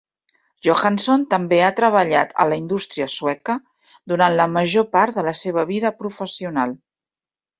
Johansson també ha treballat a la indústria sueca durant la major part de la seva vida professional.